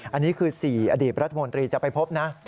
อันนี้คือ๔อดีตรัฐมนตรีจะไปพบนะ